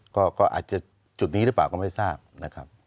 ก็อาจจะจุดนี้หรือเปล่าก็ไม่ทราบนะครับ